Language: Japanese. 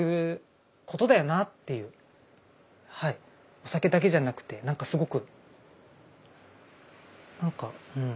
お酒だけじゃなくてなんかすごくなんかうん。